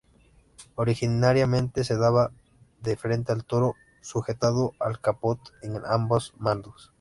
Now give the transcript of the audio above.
Originariamente se daba de frente al toro, sujetando el capote con ambas manos.